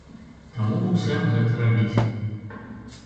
Таму быў сэнс гэта рабіць.